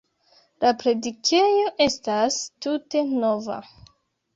La predikejo estas tute nova.